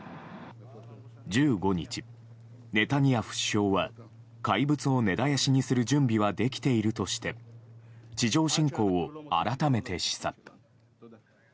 １５日、ネタニヤフ首相は怪物を根絶やしにする準備はできているとして地上侵攻を改めて示唆。